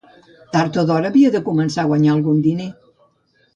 Tard o d'hora havia de començar a guanyar algun diner